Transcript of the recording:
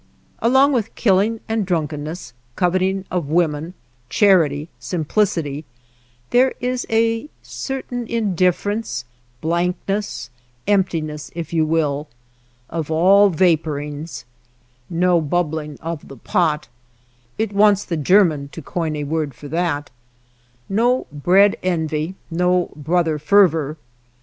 Along with killing and drunkenness, covet ing of women, charity, simplicity, there is 1 20 / JIMVILLE a certain indifference, blankness, emptiness if you will, of all vaporings, no bubbling of the pot, — it wants the German to coin a word for that, — no brea d envy, no bro ther fervor.